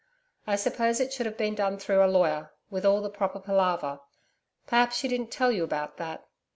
I suppose it should have been done through a lawyer, with all the proper palaver. Perhaps she didn't tell you about that.